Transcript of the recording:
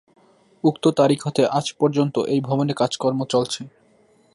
উক্ত তারিখ হতে আজ পর্যন্ত এই ভবনে কাজকর্ম চলছে।